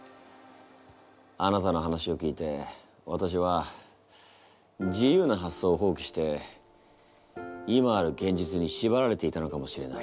あなたの話を聞いてわたしは自由な発想をほうきして今あるげんじつにしばられていたのかもしれない。